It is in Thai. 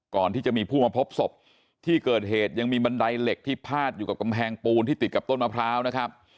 ก่อนที่จะมีผู้มาพบศพที่เกิดเหตุยังมีบันไดเหล็กที่พาดอยู่กับกำแพงปูนที่ติดกับต้นมะพร้าวนะครับ